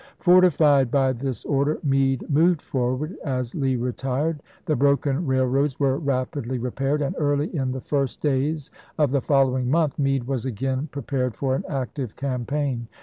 Fortified by this order, Meade moved forward as Lee retired ; the broken rail roads were rapidly repaired, and early in the first days of the following month Meade was again pre pared for an active campaign.